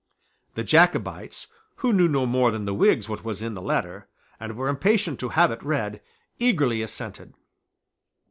The Jacobites, who knew no more than the Whigs what was in the letter, and were impatient to have it read, eagerly assented.